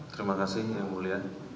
terima kasih yang mulia